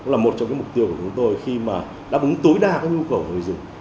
là một trong mục tiêu của chúng tôi khi đáp ứng tối đa nhu cầu người dùng